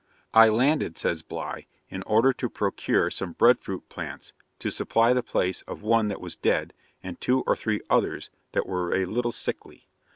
'I landed,' says Bligh, 'in order to procure some bread fruit plants to supply the place of one that was dead, and two or three others that were a little sickly.